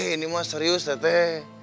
ini mah serius teh